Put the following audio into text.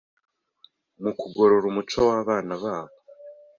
mukugorora umuco wabana babo